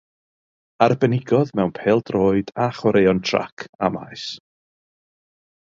Arbenigodd mewn pêl-droed, a chwaraeon trac a maes.